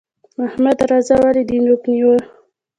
احمده! راځه ولې دې نوک نيو؟